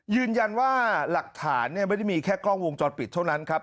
ยืนยันว่าหลักฐานไม่ได้มีแค่กล้องวงจรปิดเท่านั้นครับ